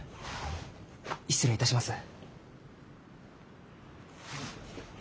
失礼いたします。